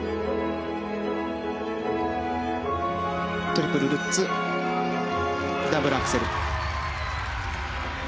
トリプルルッツダブルアクセル。